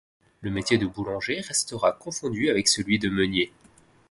Le métier de boulanger restera confondu avec celui de meunier.